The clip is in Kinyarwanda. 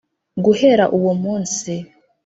Guhera uwo munsi,